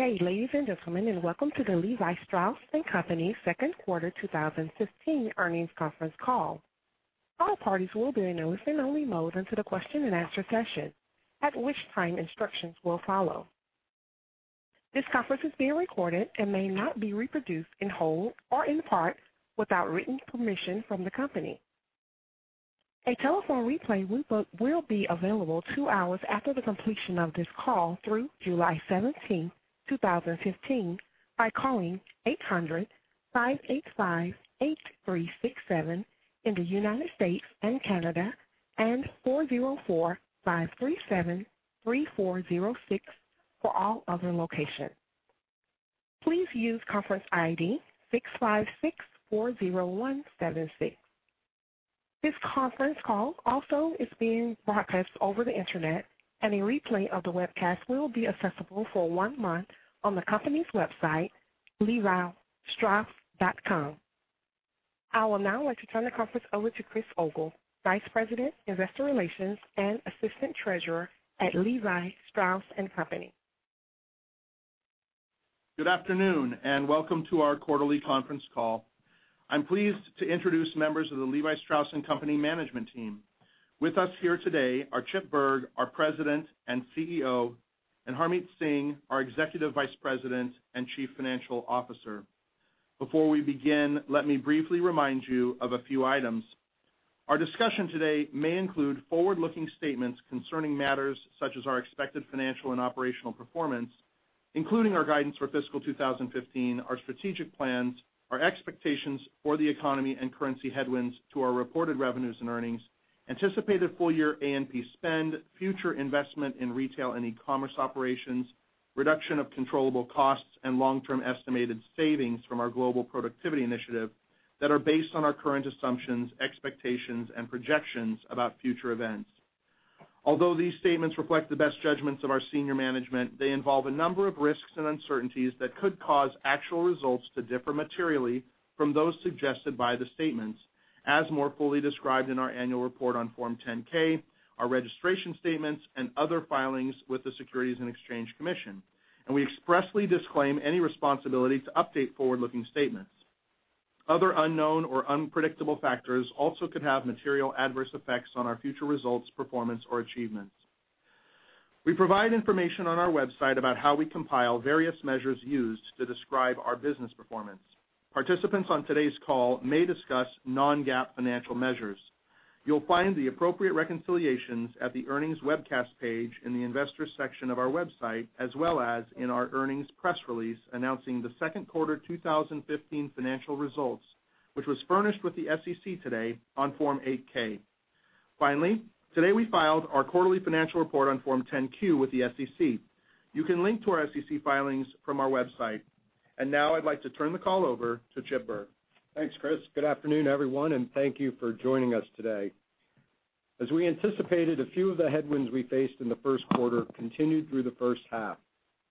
Good day, ladies and gentlemen, welcome to the Levi Strauss & Co. second quarter 2015 earnings conference call. All parties will be in a listen-only mode until the question and answer session, at which time instructions will follow. This conference is being recorded and may not be reproduced in whole or in part without written permission from the company. A telephone replay will be available two hours after the completion of this call through July 17, 2015, by calling 800-585-8367 in the United States and Canada, and 404-537-3406 for all other locations. Please use conference ID 65640176. This conference call also is being broadcast over the Internet. A replay of the webcast will be accessible for one month on the company's website, levistrauss.com. I would now like to turn the conference over to Chris Ogle, Vice President, Investor Relations, and Assistant Treasurer at Levi Strauss & Co. Good afternoon, welcome to our quarterly conference call. I'm pleased to introduce members of the Levi Strauss & Co. management team. With us here today are Chip Bergh, our President and CEO, Harmit Singh, our Executive Vice President and Chief Financial Officer. Before we begin, let me briefly remind you of a few items. Our discussion today may include forward-looking statements concerning matters such as our expected financial and operational performance, including our guidance for fiscal 2015, our strategic plans, our expectations for the economy and currency headwinds to our reported revenues and earnings, anticipated full-year A&P spend, future investment in retail and e-commerce operations, reduction of controllable costs, long-term estimated savings from our global productivity initiative that are based on our current assumptions, expectations, and projections about future events. Although these statements reflect the best judgments of our senior management, they involve a number of risks and uncertainties that could cause actual results to differ materially from those suggested by the statements, as more fully described in our annual report on Form 10-K, our registration statements, and other filings with the Securities and Exchange Commission. We expressly disclaim any responsibility to update forward-looking statements. Other unknown or unpredictable factors also could have material adverse effects on our future results, performance, or achievements. We provide information on our website about how we compile various measures used to describe our business performance. Participants on today's call may discuss non-GAAP financial measures. You'll find the appropriate reconciliations at the earnings webcast page in the investors section of our website, as well as in our earnings press release announcing the second quarter 2015 financial results, which was furnished with the SEC today on Form 8-K. Finally, today we filed our quarterly financial report on Form 10-Q with the SEC. You can link to our SEC filings from our website. Now I'd like to turn the call over to Chip Bergh. Thanks, Chris. Good afternoon, everyone, thank you for joining us today. As we anticipated, a few of the headwinds we faced in the first quarter continued through the first half,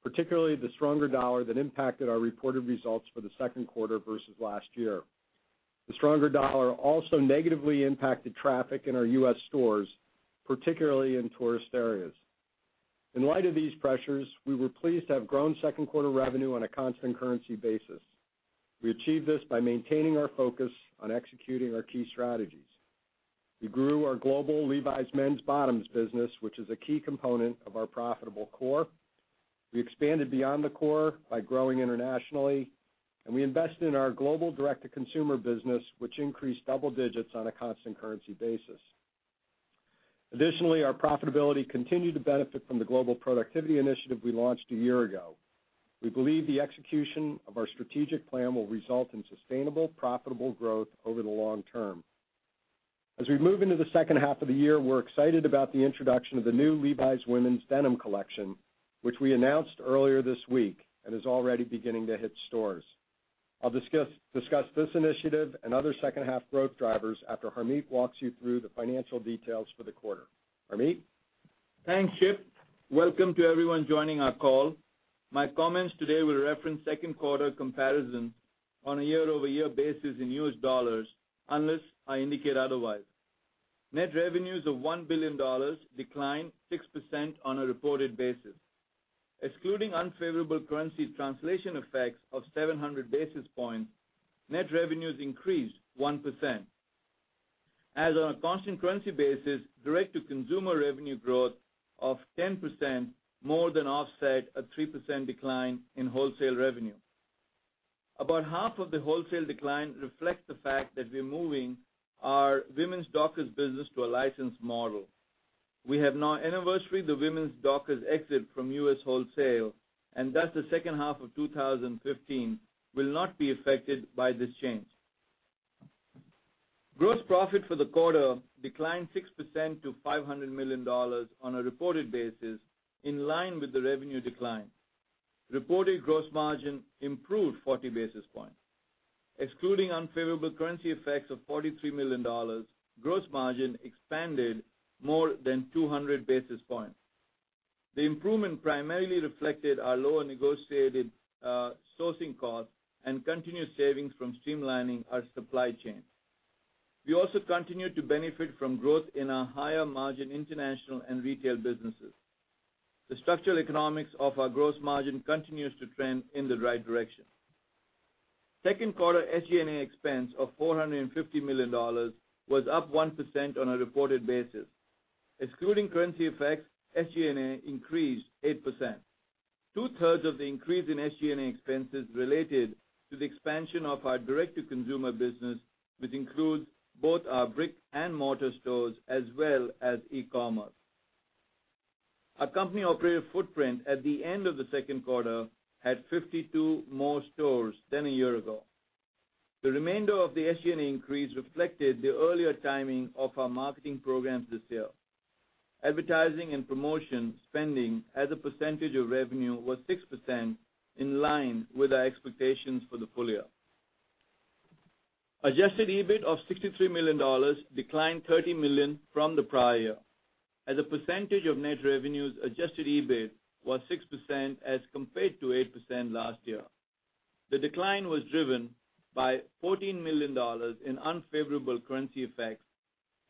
particularly the stronger dollar that impacted our reported results for the second quarter versus last year. The stronger dollar also negatively impacted traffic in our U.S. stores, particularly in tourist areas. In light of these pressures, we were pleased to have grown second quarter revenue on a constant currency basis. We achieved this by maintaining our focus on executing our key strategies. We grew our global Levi's men's bottoms business, which is a key component of our profitable core. We expanded beyond the core by growing internationally, we invested in our global direct-to-consumer business, which increased double-digits on a constant currency basis. Additionally, our profitability continued to benefit from the global productivity initiative we launched a year ago. We believe the execution of our strategic plan will result in sustainable, profitable growth over the long term. As we move into the second half of the year, we're excited about the introduction of the new Levi's women's denim collection, which we announced earlier this week and is already beginning to hit stores. I'll discuss this initiative and other second-half growth drivers after Harmit walks you through the financial details for the quarter. Harmit? Thanks, Chip. Welcome to everyone joining our call. My comments today will reference second quarter comparison on a year-over-year basis in U.S. dollars, unless I indicate otherwise. Net revenues of $1 billion declined 6% on a reported basis. Excluding unfavorable currency translation effects of 700 basis points, net revenues increased 1%. On a constant currency basis, direct-to-consumer revenue growth of 10% more than offset a 3% decline in wholesale revenue. About half of the wholesale decline reflects the fact that we're moving our Women's Dockers business to a licensed model. We have now anniversary-ed the Women's Dockers exit from U.S. wholesale, thus the second half of 2015 will not be affected by this change. Gross profit for the quarter declined 6% to $500 million on a reported basis, in line with the revenue decline. Reported gross margin improved 40 basis points. Excluding unfavorable currency effects of $43 million, gross margin expanded more than 200 basis points. The improvement primarily reflected our lower negotiated sourcing costs and continued savings from streamlining our supply chain. We also continue to benefit from growth in our higher-margin international and retail businesses. The structural economics of our gross margin continues to trend in the right direction. Second quarter SG&A expense of $450 million was up 1% on a reported basis. Excluding currency effects, SG&A increased 8%. Two-thirds of the increase in SG&A expenses related to the expansion of our direct-to-consumer business, which includes both our brick-and-mortar stores as well as e-commerce. Our company operative footprint at the end of the second quarter had 52 more stores than a year ago. The remainder of the SG&A increase reflected the earlier timing of our marketing programs this year. Advertising and promotion spending as a percentage of revenue was 6%, in line with our expectations for the full year. Adjusted EBIT of $63 million declined $30 million from the prior year. As a percentage of net revenues, Adjusted EBIT was 6% as compared to 8% last year. The decline was driven by $14 million in unfavorable currency effects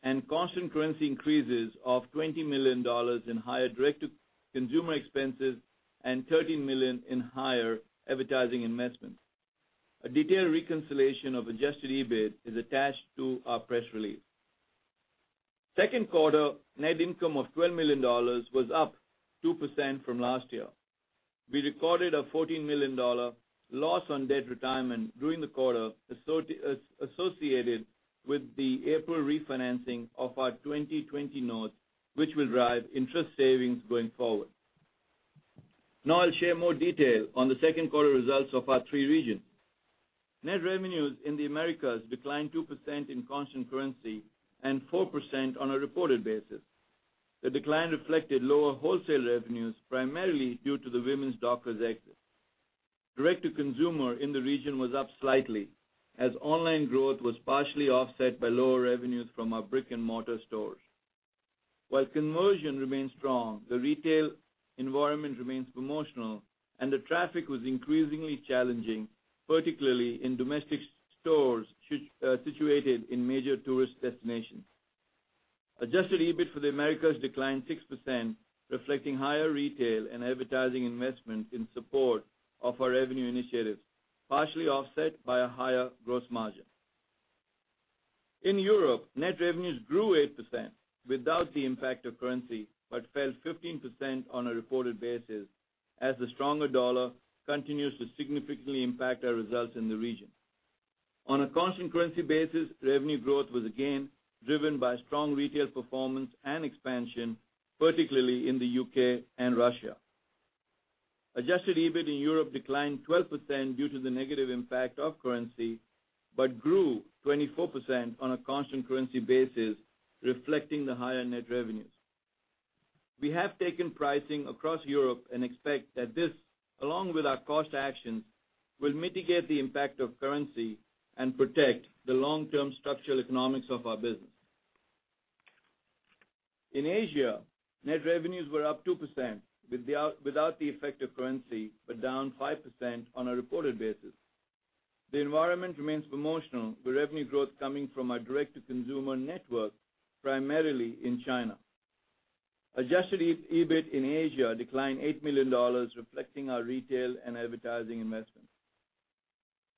and constant currency increases of $20 million in higher direct-to-consumer expenses and $13 million in higher advertising investments. A detailed reconciliation of Adjusted EBIT is attached to our press release. Second quarter net income of $12 million was up 2% from last year. We recorded a $14 million loss on debt retirement during the quarter associated with the April refinancing of our 2020 notes, which will drive interest savings going forward. I'll share more detail on the second quarter results of our three regions. Net revenues in the Americas declined 2% in constant currency and 4% on a reported basis. The decline reflected lower wholesale revenues, primarily due to the Women's Dockers exit. Direct-to-consumer in the region was up slightly, as online growth was partially offset by lower revenues from our brick-and-mortar stores. While conversion remains strong, the retail environment remains promotional, and the traffic was increasingly challenging, particularly in domestic stores situated in major tourist destinations. Adjusted EBIT for the Americas declined 6%, reflecting higher retail and advertising investment in support of our revenue initiatives, partially offset by a higher gross margin. In Europe, net revenues grew 8% without the impact of currency but fell 15% on a reported basis as the stronger U.S. dollar continues to significantly impact our results in the region. On a constant currency basis, revenue growth was again driven by strong retail performance and expansion, particularly in the U.K. and Russia. Adjusted EBIT in Europe declined 12% due to the negative impact of currency, but grew 24% on a constant currency basis, reflecting the higher net revenues. We have taken pricing across Europe and expect that this, along with our cost actions, will mitigate the impact of currency and protect the long-term structural economics of our business. In Asia, net revenues were up 2% without the effect of currency, but down 5% on a reported basis. The environment remains promotional, with revenue growth coming from our direct-to-consumer network, primarily in China. Adjusted EBIT in Asia declined $8 million, reflecting our retail and advertising investments.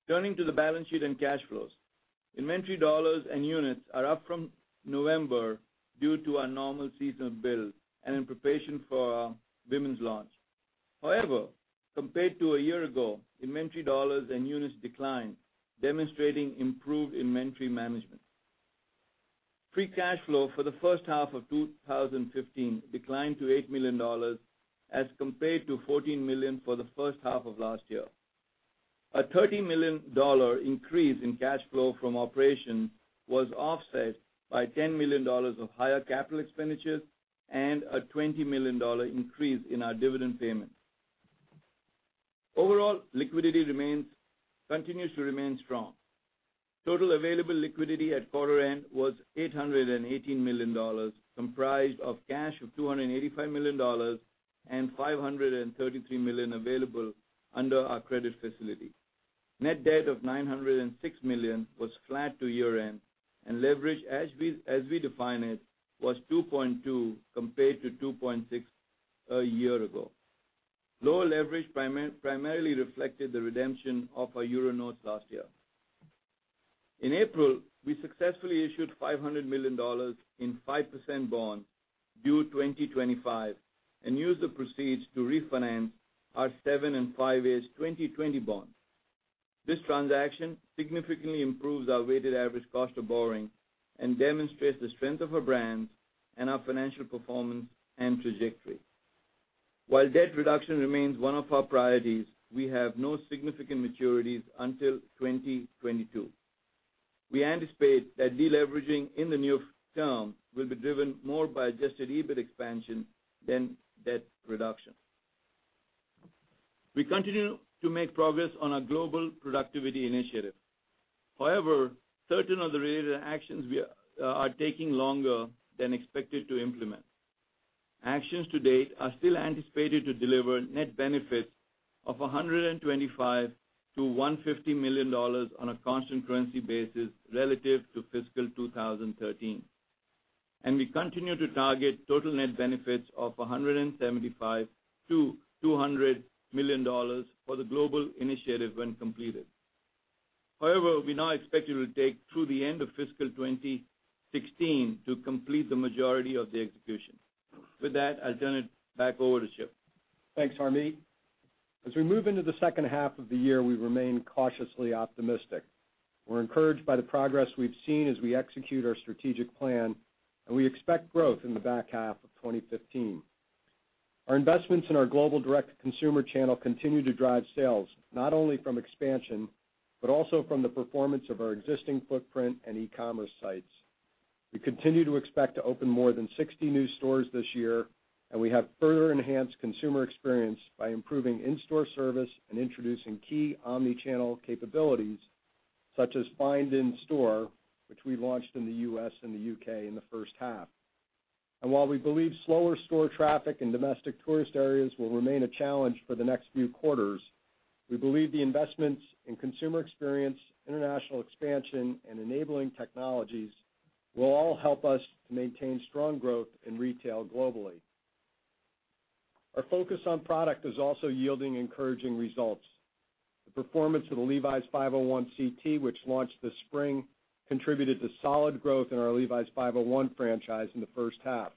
Turning to the balance sheet and cash flows. Inventory dollars and units are up from November due to our normal seasonal build and in preparation for our women's launch. However, compared to a year ago, inventory dollars and units declined, demonstrating improved inventory management. Free cash flow for the first half of 2015 declined to $8 million as compared to $14 million for the first half of last year. A $30 million increase in cash flow from operation was offset by $10 million of higher capital expenditures and a $20 million increase in our dividend payment. Overall, liquidity continues to remain strong. Total available liquidity at quarter end was $818 million, comprised of cash of $285 million and $533 million available under our credit facility. Net debt of $906 million was flat to year-end, and leverage, as we define it, was 2.2, compared to 2.6 a year ago. Lower leverage primarily reflected the redemption of our euro notes last year. In April, we successfully issued $500 million in 5% bonds due 2025 and used the proceeds to refinance our seven and five-year 2020 bonds. This transaction significantly improves our weighted average cost of borrowing and demonstrates the strength of our brands and our financial performance and trajectory. While debt reduction remains one of our priorities, we have no significant maturities until 2022. We anticipate that de-leveraging in the near term will be driven more by Adjusted EBIT expansion than debt reduction. We continue to make progress on our global productivity initiative. However, certain of the related actions are taking longer than expected to implement. Actions to date are still anticipated to deliver net benefits of $125 to $150 million on a constant currency basis relative to fiscal 2013. We continue to target total net benefits of $175 to $200 million for the Global Initiative when completed. However, we now expect it will take through the end of fiscal 2016 to complete the majority of the execution. With that, I'll turn it back over to Chip. Thanks, Harmit. As we move into the second half of the year, we remain cautiously optimistic. We're encouraged by the progress we've seen as we execute our strategic plan, and we expect growth in the back half of 2015. Our investments in our global direct-to-consumer channel continue to drive sales, not only from expansion, but also from the performance of our existing footprint and e-commerce sites. We continue to expect to open more than 60 new stores this year, and we have further enhanced consumer experience by improving in-store service and introducing key omni-channel capabilities, such as Find in Store, which we launched in the U.S. and the U.K. in the first half. While we believe slower store traffic in domestic tourist areas will remain a challenge for the next few quarters, we believe the investments in consumer experience, international expansion, and enabling technologies will all help us to maintain strong growth in retail globally. Our focus on product is also yielding encouraging results. The performance of the Levi's 501 CT, which launched this spring, contributed to solid growth in our Levi's 501 franchise in the first half.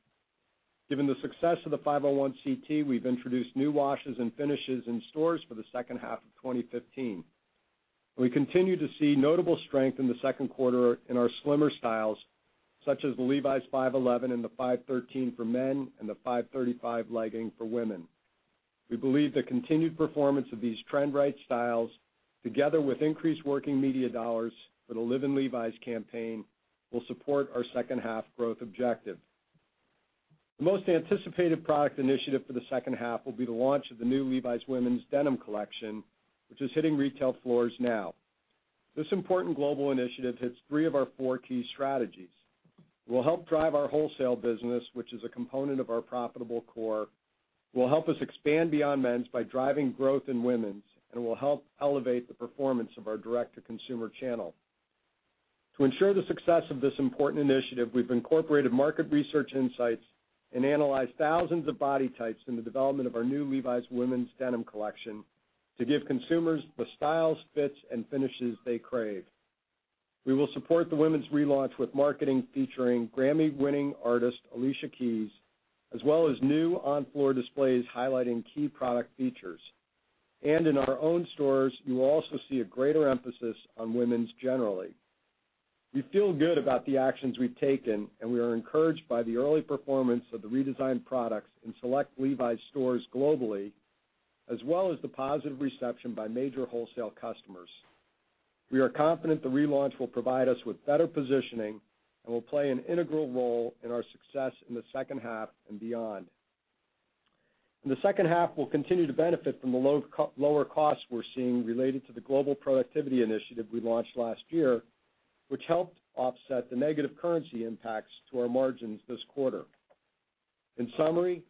Given the success of the 501 CT, we've introduced new washes and finishes in stores for the second half of 2015. We continue to see notable strength in the second quarter in our slimmer styles, such as the Levi's 511 and the 513 for men and the 535 legging for women. We believe the continued performance of these trend-right styles, together with increased working media dollars for the Live in Levi's campaign, will support our second half growth objective. The most anticipated product initiative for the second half will be the launch of the new Levi's women's denim collection, which is hitting retail floors now. This important global initiative hits three of our four key strategies. It will help drive our wholesale business, which is a component of our profitable core, will help us expand beyond men's by driving growth in women's, and will help elevate the performance of our direct-to-consumer channel. To ensure the success of this important initiative, we've incorporated market research insights and analyzed thousands of body types in the development of our new Levi's women's denim collection to give consumers the styles, fits, and finishes they crave. In our own stores, you will also see a greater emphasis on women's generally. We feel good about the actions we've taken, and we are encouraged by the early performance of the redesigned products in select Levi's stores globally, as well as the positive reception by major wholesale customers. We are confident the relaunch will provide us with better positioning and will play an integral role in our success in the second half and beyond. In the second half, we'll continue to benefit from the lower costs we're seeing related to the global productivity initiative we launched last year, which helped offset the negative currency impacts to our margins this quarter. In summary,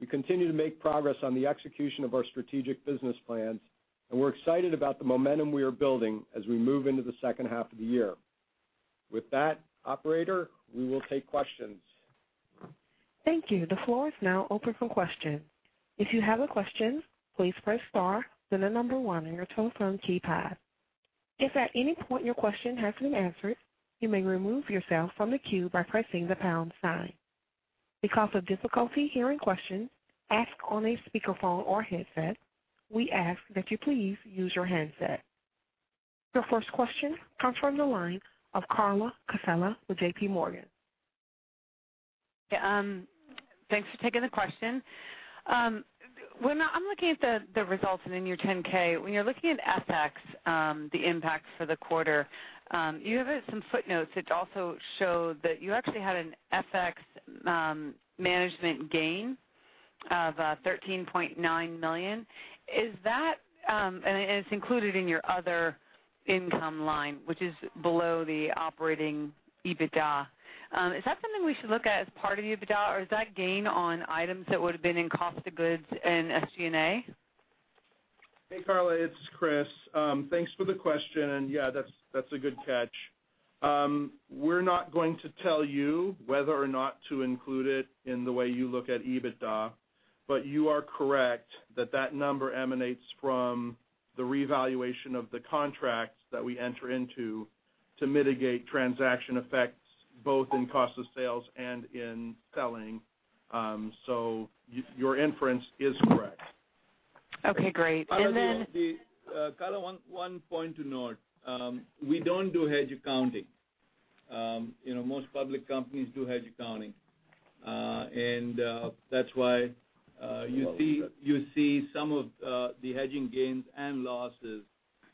we continue to make progress on the execution of our strategic business plans, and we're excited about the momentum we are building as we move into the second half of the year. With that, operator, we will take questions. Thank you. The floor is now open for questions. If you have a question, please press star, then the number one on your telephone keypad. If at any point your question has been answered, you may remove yourself from the queue by pressing the pound sign. Because of difficulty hearing questions asked on a speakerphone or headset, we ask that you please use your headset. Your first question comes from the line of Carla Casella with JPMorgan. Thanks for taking the question. I'm looking at the results in your 10-K. When you're looking at FX, the impacts for the quarter, you have some footnotes which also show that you actually had an FX management gain of $13.9 million. It's included in your other income line, which is below the operating EBITDA. Is that something we should look at as part of the EBITDA, or is that gain on items that would have been in cost of goods and SG&A? Hey, Carla. It's Chris. Thanks for the question. Yeah, that's a good catch. We're not going to tell you whether or not to include it in the way you look at EBITDA, but you are correct that that number emanates from the revaluation of the contracts that we enter into to mitigate transaction effects, both in cost of sales and in selling. Your inference is correct. Okay, great. Carla, one point to note. We don't do hedge accounting. Most public companies do hedge accounting. That's why you see some of the hedging gains and losses,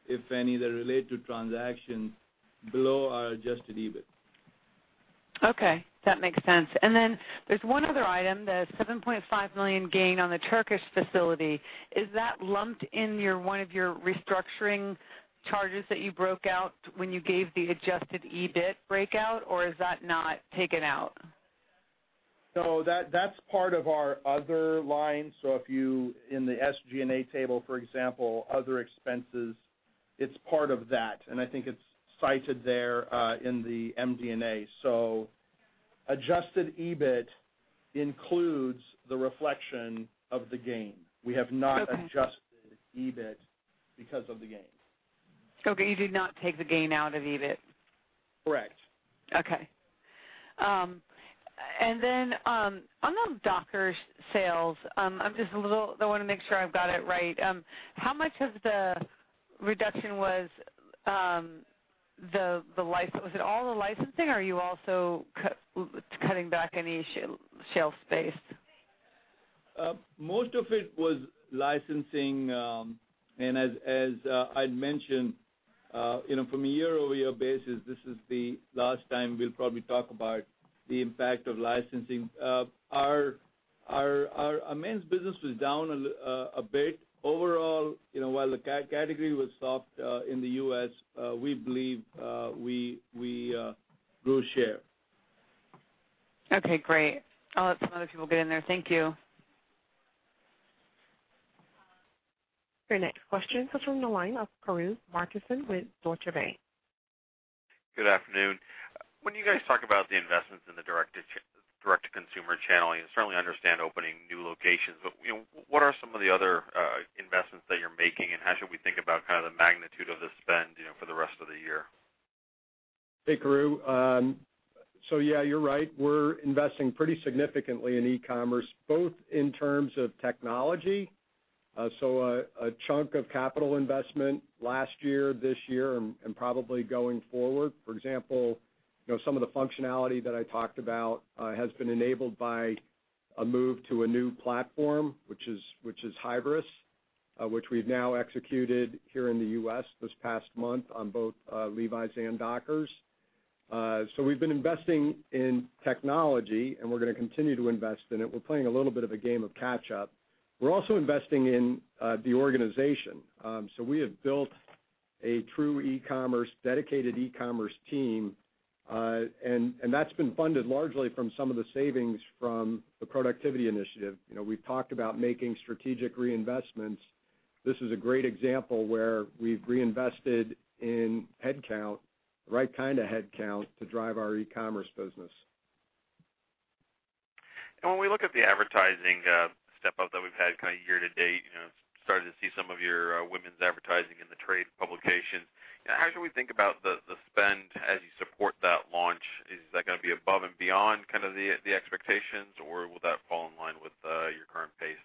if any, that relate to transactions below our Adjusted EBIT. Okay. That makes sense. There's one other item, the $7.5 million gain on the Turkish facility. Is that lumped in one of your restructuring charges that you broke out when you gave the Adjusted EBIT breakout, or is that not taken out? No, that's part of our other line. If you, in the SG&A table, for example, other expenses, it's part of that, and I think it's cited there, in the MD&A. Adjusted EBIT includes the reflection of the gain. Okay. We have not Adjusted EBIT because of the gain. You did not take the gain out of EBIT? Correct. Okay. On the Dockers sales, I want to make sure I've got it right. How much of the reduction was it all the licensing, or are you also cutting back any shelf space? Most of it was licensing. As I'd mentioned, from a year-over-year basis, this is the last time we'll probably talk about the impact of licensing. Our men's business was down a bit. Overall, while the category was soft in the U.S., we believe we grew share. Okay, great. I'll let some other people get in there. Thank you. Your next question comes from the line of Karru Martinson with Deutsche Bank. Good afternoon. When you guys talk about the investments in the direct-to-consumer channel, I certainly understand opening new locations, but what are some of the other investments that you're making, and how should we think about the magnitude of the spend for the rest of the year? Hey, Karru. Yeah, you're right. We're investing pretty significantly in e-commerce, both in terms of technology, so a chunk of capital investment last year, this year, and probably going forward. For example, some of the functionality that I talked about has been enabled by a move to a new platform, which is Hybris, which we've now executed here in the U.S. this past month on both Levi's and Dockers. We've been investing in technology, and we're going to continue to invest in it. We're playing a little bit of a game of catch up. We're also investing in the organization. We have built a true dedicated e-commerce team, and that's been funded largely from some of the savings from the productivity initiative. We've talked about making strategic reinvestments. This is a great example where we've reinvested in headcount, the right kind of headcount, to drive our e-commerce business. When we look at the advertising step up that we've had year to date, starting to see some of your women's advertising in the trade publications. How should we think about the spend as you support that launch? Is that going to be above and beyond the expectations, or will that fall in line with your current pace?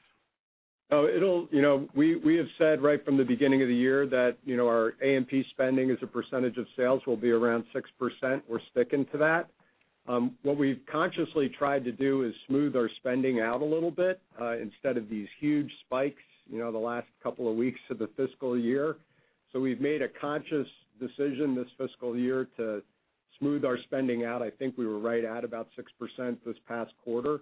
We have said right from the beginning of the year that our A&P spending as a percentage of sales will be around 6%. We're sticking to that. What we've consciously tried to do is smooth our spending out a little bit, instead of these huge spikes the last couple of weeks of the fiscal year. We've made a conscious decision this fiscal year to smooth our spending out. I think we were right at about 6% this past quarter.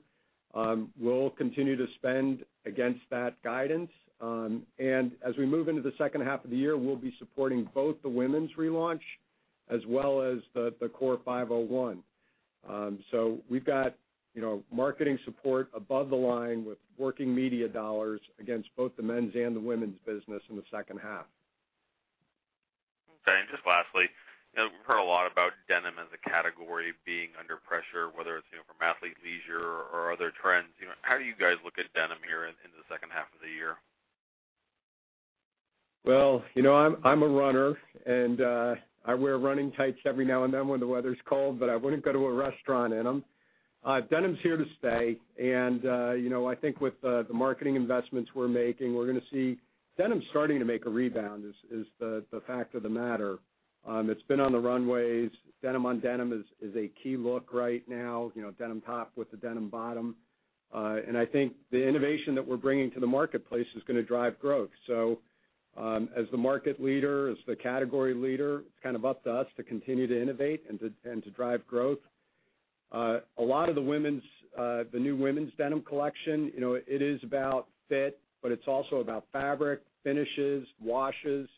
We'll continue to spend against that guidance. As we move into the second half of the year, we'll be supporting both the women's relaunch as well as the core 501. We've got marketing support above the line with working media dollars against both the men's and the women's business in the second half. Okay. Just lastly, we've heard a lot about denim as a category being under pressure, whether it's from athleisure or other trends. How do you guys look at denim here in the second half of the year? Well, I'm a runner, and I wear running tights every now and then when the weather's cold, but I wouldn't go to a restaurant in them. Denim's here to stay, and I think with the marketing investments we're making, we're going to see denim starting to make a rebound is the fact of the matter. It's been on the runways. Denim on denim is a key look right now, denim top with a denim bottom. I think the innovation that we're bringing to the marketplace is going to drive growth. As the market leader, as the category leader, it's up to us to continue to innovate and to drive growth. A lot of the new women's denim collection, it is about fit, but it's also about fabric, finishes, washes.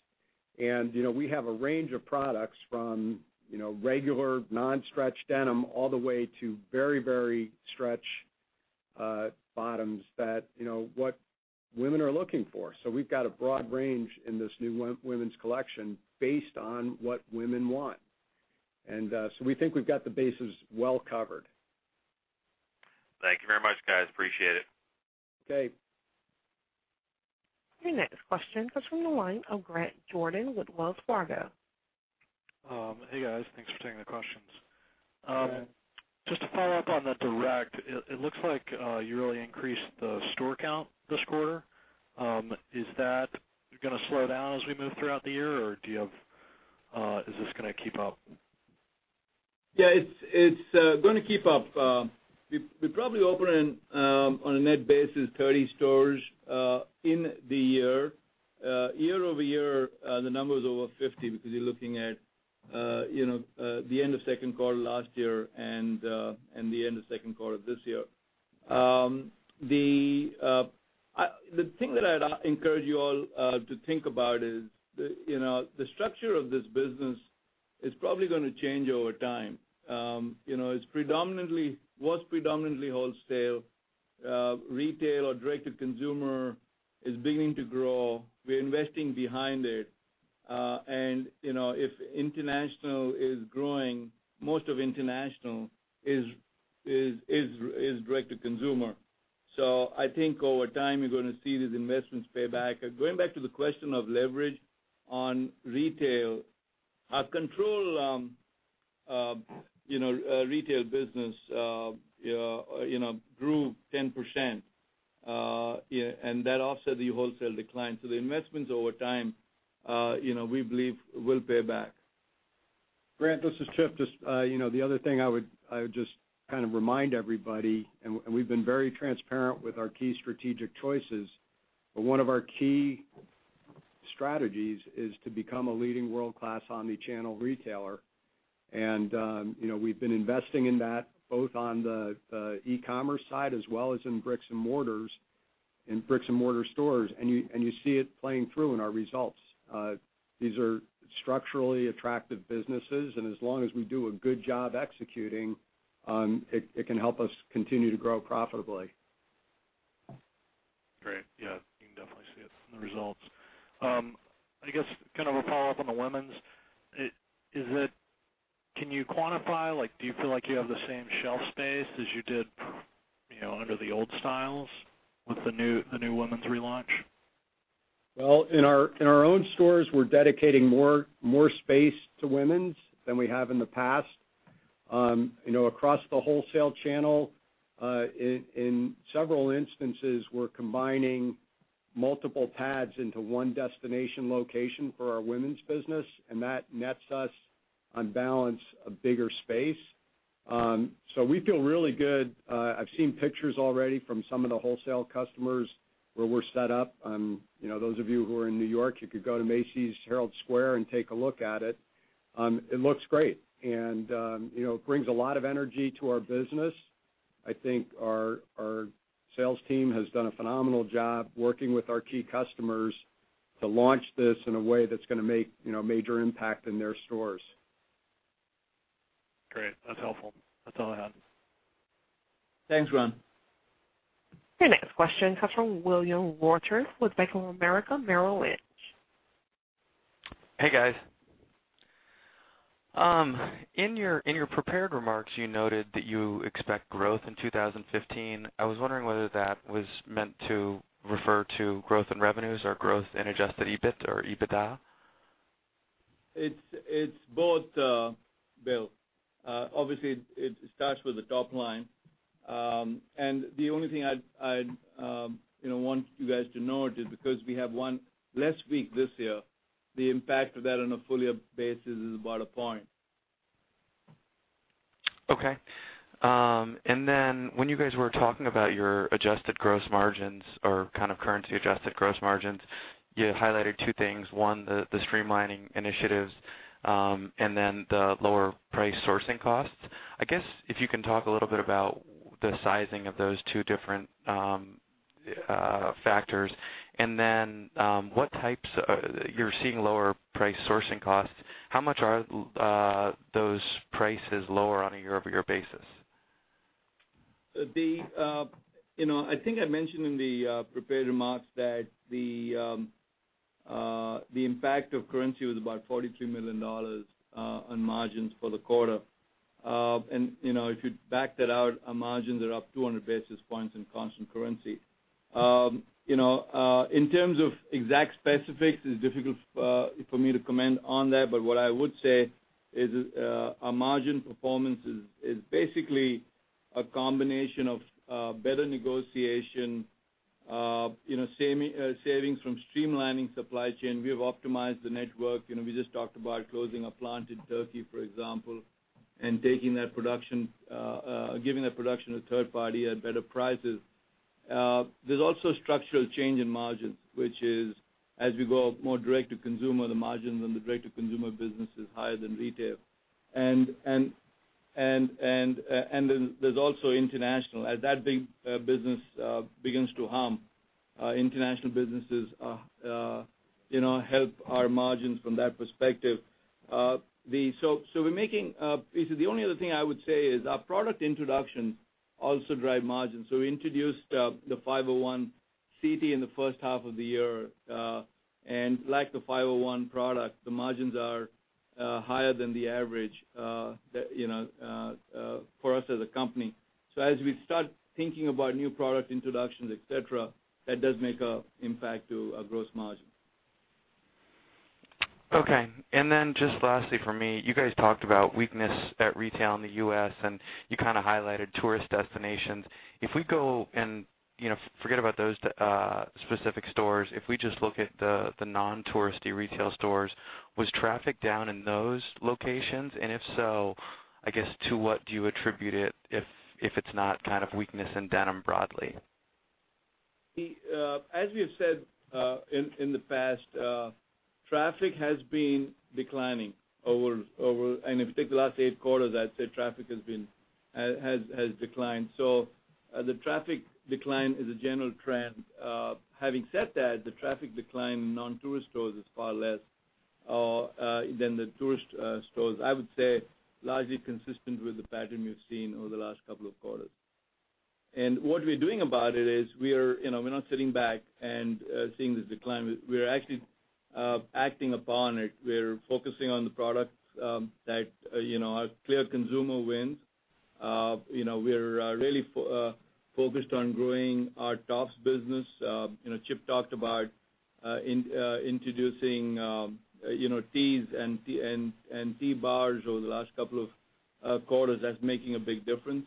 We have a range of products from regular non-stretch denim all the way to very stretch bottoms that what women are looking for. We've got a broad range in this new women's collection based on what women want. We think we've got the bases well covered. Thank you very much, guys. Appreciate it. Okay. Your next question comes from the line of Grant Jordan with Wells Fargo. Hey, guys. Thanks for taking the questions. Go ahead. Just to follow up on the direct, it looks like you really increased the store count this quarter. Is that gonna slow down as we move throughout the year, or is this gonna keep up? Yeah, it's gonna keep up. We probably open on a net basis 30 stores in the year. Year-over-year, the number is over 50 because you're looking at the end of second quarter last year and the end of second quarter this year. The thing that I'd encourage you all to think about is the structure of this business It's probably going to change over time. It was predominantly wholesale. Retail or direct to consumer is beginning to grow. We're investing behind it. If international is growing, most of international is direct to consumer. I think over time, you're going to see these investments pay back. Going back to the question of leverage on retail, our control retail business grew 10%, and that offset the wholesale decline. The investments over time, we believe will pay back. Grant, this is Chip. The other thing I would just remind everybody, we've been very transparent with our key strategic choices, one of our key strategies is to become a leading world-class omni-channel retailer. We've been investing in that both on the e-commerce side as well as in bricks and mortar stores, and you see it playing through in our results. These are structurally attractive businesses, and as long as we do a good job executing, it can help us continue to grow profitably. Great. Yeah. You can definitely see it in the results. I guess kind of a follow-up on the women's. Can you quantify, do you feel like you have the same shelf space as you did under the old styles with the new women's relaunch? Well, in our own stores, we're dedicating more space to women's than we have in the past. Across the wholesale channel, in several instances, we're combining multiple tabs into one destination location for our women's business, and that nets us on balance a bigger space. We feel really good. I've seen pictures already from some of the wholesale customers where we're set up. Those of you who are in New York, you could go to Macy's Herald Square and take a look at it. It looks great, and it brings a lot of energy to our business. I think our sales team has done a phenomenal job working with our key customers to launch this in a way that's going to make major impact in their stores. Great. That's helpful. That's all I had. Thanks, Grant. Your next question comes from William Wauters with Bank of America Merrill Lynch. Hey, guys. In your prepared remarks, you noted that you expect growth in 2015. I was wondering whether that was meant to refer to growth in revenues or growth in Adjusted EBIT or EBITDA. It's both, Bill. Obviously, it starts with the top line. The only thing I'd want you guys to note is because we have one less week this year, the impact of that on a full-year basis is about a point. Okay. When you guys were talking about your adjusted gross margins or kind of currency-adjusted gross margins, you highlighted two things. One, the streamlining initiatives, and then the lower price sourcing costs. I guess, if you can talk a little bit about the sizing of those two different factors. You're seeing lower price sourcing costs. How much are those prices lower on a year-over-year basis? I think I mentioned in the prepared remarks that the impact of currency was about $43 million on margins for the quarter. If you back that out, our margins are up 200 basis points in constant currency. In terms of exact specifics, it is difficult for me to comment on that, but what I would say is our margin performance is basically a combination of better negotiation, savings from streamlining supply chain. We have optimized the network. We just talked about closing a plant in Turkey, for example, and giving that production to a third party at better prices. There's also structural change in margins, which is as we go more direct-to-consumer, the margin on the direct-to-consumer business is higher than retail. There's also international. As that business begins to hum, international businesses help our margins from that perspective. The only other thing I would say is our product introduction also drive margins. We introduced the 501 CT in the first half of the year. Like the 501 product, the margins are higher than the average for us as a company. As we start thinking about new product introductions, et cetera, that does make an impact to our gross margin. Okay. Just lastly from me, you guys talked about weakness at retail in the U.S., and you kind of highlighted tourist destinations. If we go and forget about those specific stores, if we just look at the non-tourist retail stores, was traffic down in those locations? If so, I guess to what do you attribute it if it's not kind of weakness in denim broadly? As we have said in the past, traffic has been declining. If you take the last eight quarters, I'd say traffic has declined. The traffic decline is a general trend. Having said that, the traffic decline in non-tourist stores is far less than the tourist stores. I would say largely consistent with the pattern we've seen over the last couple of quarters. What we're doing about it is we're not sitting back and seeing the decline. We're actually acting upon it. We're focusing on the products that are clear consumer wins. We're really focused on growing our tops business. Chip talked about introducing tees and tee bars over the last couple of quarters. That's making a big difference.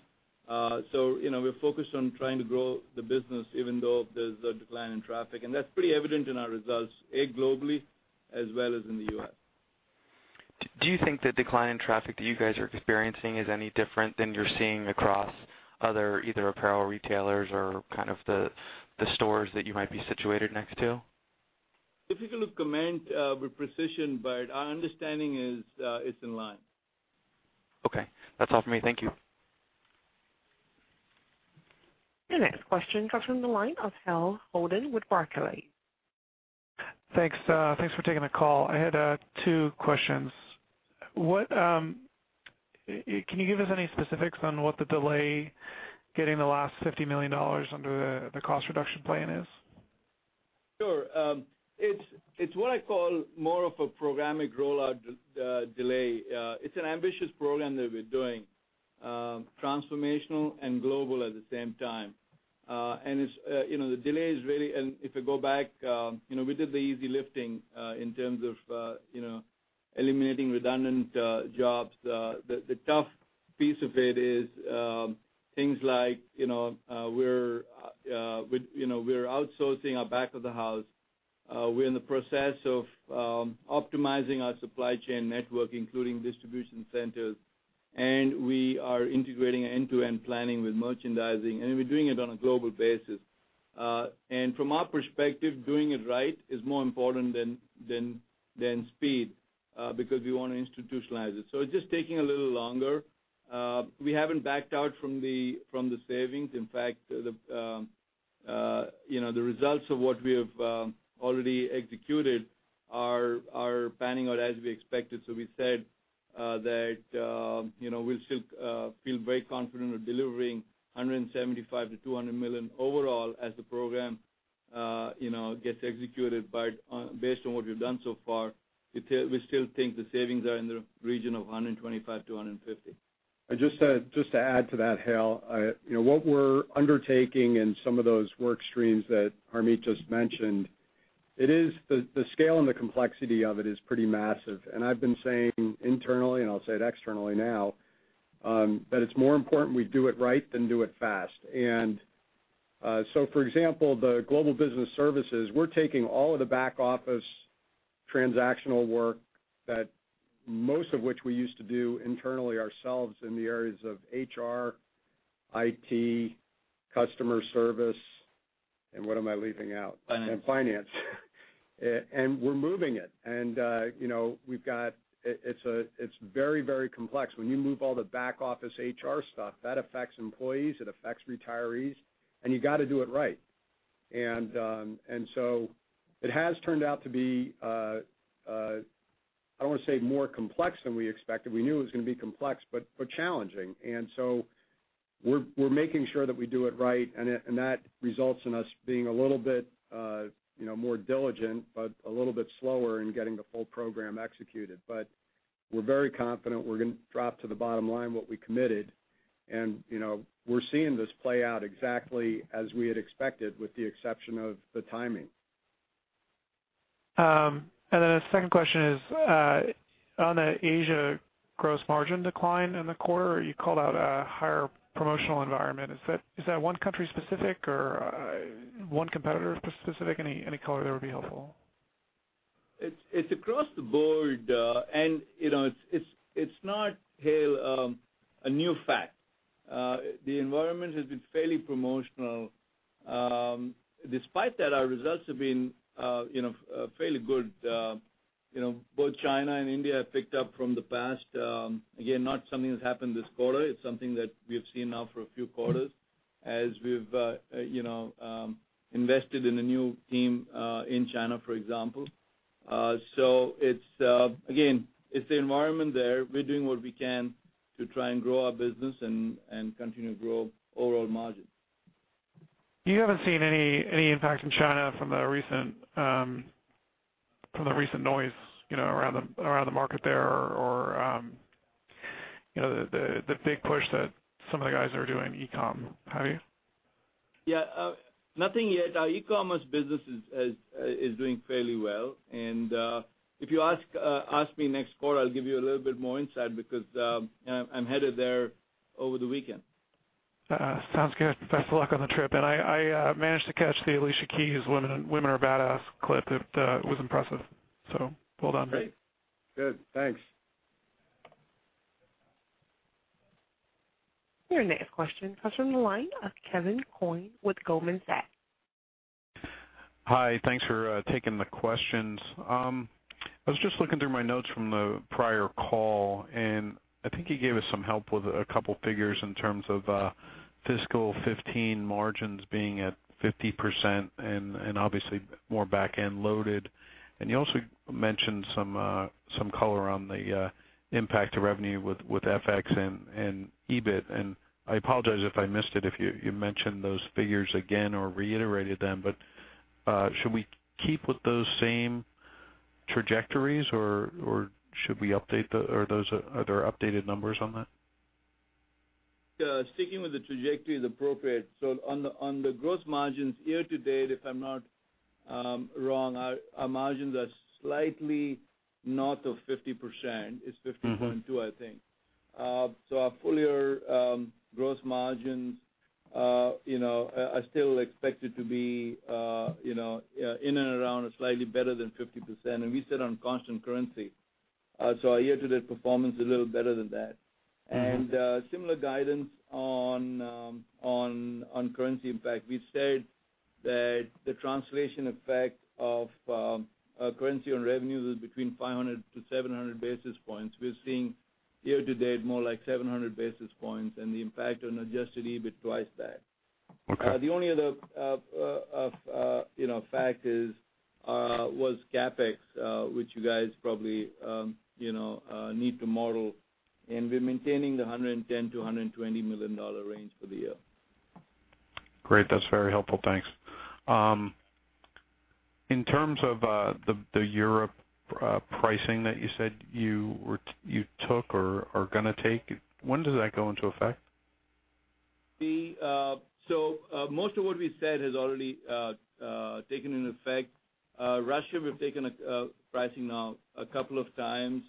We're focused on trying to grow the business even though there's a decline in traffic. That's pretty evident in our results, A, globally as well as in the U.S. Do you think the decline in traffic that you guys are experiencing is any different than you're seeing across other, either apparel retailers or kind of the stores that you might be situated next to? Difficult to comment with precision, but our understanding is it's in line. Okay. That's all for me. Thank you. Your next question comes from the line of Hale Holden with Barclays. Thanks. Thanks for taking the call. I had two questions. Can you give us any specifics on what the delay getting the last $50 million under the cost reduction plan is? Sure. It's what I call more of a programmatic rollout delay. It's an ambitious program that we're doing, transformational and global at the same time. If you go back, we did the easy lifting in terms of eliminating redundant jobs. The tough piece of it is things like we're outsourcing our back of the house. We're in the process of optimizing our supply chain network, including distribution centers, and we are integrating end-to-end planning with merchandising, and we're doing it on a global basis. From our perspective, doing it right is more important than speed, because we want to institutionalize it. It's just taking a little longer. We haven't backed out from the savings. In fact, the results of what we have already executed are panning out as we expected. We said that we'll still feel very confident with delivering $175 million-$200 million overall as the program gets executed. Based on what we've done so far, we still think the savings are in the region of $125 to $150. Just to add to that, Hale, what we're undertaking in some of those work streams that Harmit just mentioned, the scale and the complexity of it is pretty massive. I've been saying internally, and I'll say it externally now, that it's more important we do it right than do it fast. For example, the global business services, we're taking all of the back-office transactional work that most of which we used to do internally ourselves in the areas of HR, IT, customer service, and what am I leaving out? Finance. Finance. We're moving it. It's very, very complex. When you move all the back-office HR stuff, that affects employees, it affects retirees, and you got to do it right. It has turned out to be, I don't want to say more complex than we expected, we knew it was going to be complex, but challenging. We're making sure that we do it right and that results in us being a little bit more diligent, but a little bit slower in getting the full program executed. We're very confident we're going to drop to the bottom line what we committed. We're seeing this play out exactly as we had expected, with the exception of the timing. A second question is, on the Asia gross margin decline in the quarter, you called out a higher promotional environment. Is that one country specific or one competitor specific? Any color there would be helpful. It's across the board. It's not, Hale, a new fact. The environment has been fairly promotional. Despite that, our results have been fairly good. Both China and India have picked up from the past. Again, not something that's happened this quarter. It's something that we have seen now for a few quarters as we've invested in a new team in China, for example. Again, it's the environment there. We're doing what we can to try and grow our business and continue to grow overall margin. You haven't seen any impact in China from the recent noise around the market there or the big push that some of the guys are doing e-com, have you? Yeah. Nothing yet. Our e-commerce business is doing fairly well. If you ask me next quarter, I'll give you a little bit more insight because I'm headed there over the weekend. Sounds good. Best of luck on the trip. I managed to catch the Alicia Keys Women are Badass clip. It was impressive. Well done. Great. Good, thanks. Your next question comes from the line of Kevin Coyne with Goldman Sachs. Hi, thanks for taking the questions. I was just looking through my notes from the prior call, I think you gave us some help with a couple figures in terms of fiscal 2015 margins being at 50% and obviously more back-end loaded. You also mentioned some color on the impact to revenue with FX and EBIT. I apologize if I missed it, if you mentioned those figures again or reiterated them, but should we keep with those same trajectories, or should we update, are there updated numbers on that? Sticking with the trajectory is appropriate. On the gross margins year-to-date, if I'm not wrong, our margins are slightly north of 50%. It's 50.2, I think. Our full-year gross margins are still expected to be in and around or slightly better than 50%, and we said on constant currency. Our year-to-date performance is a little better than that. Similar guidance on currency impact. We said that the translation effect of currency on revenues was between 500 to 700 basis points. We're seeing year-to-date more like 700 basis points and the impact on Adjusted EBIT twice that. Okay. The only other fact was CapEx, which you guys probably need to model, and we're maintaining the $110 million to $120 million range for the year. Great. That's very helpful. Thanks. In terms of the Europe pricing that you said you took or are going to take, when does that go into effect? Most of what we've said has already taken effect. Russia, we've taken pricing now a couple of times.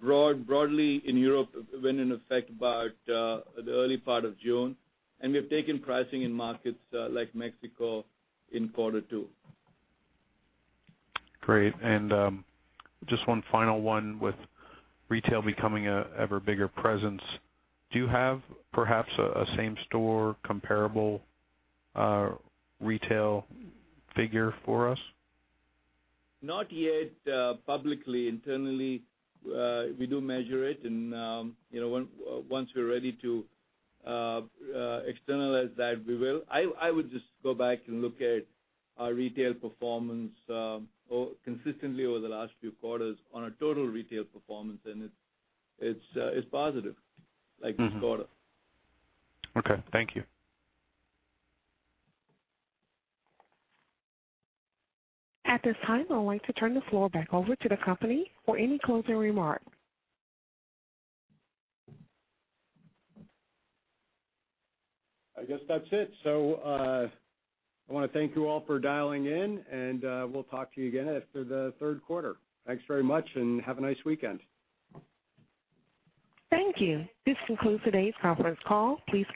Broadly in Europe, it went into effect about the early part of June, and we've taken pricing in markets like Mexico in quarter two. Great. Just one final one. With retail becoming an ever bigger presence, do you have perhaps a same-store comparable retail figure for us? Not yet publicly. Internally, we do measure it, and once we're ready to externalize that, we will. I would just go back and look at our retail performance consistently over the last few quarters on a total retail performance, and it's positive, like this quarter. Okay, thank you. At this time, I would like to turn the floor back over to the company for any closing remarks. I guess that's it. I want to thank you all for dialing in, and we'll talk to you again after the third quarter. Thanks very much, and have a nice weekend. Thank you. This concludes today's conference call. Please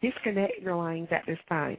disconnect your lines at this time.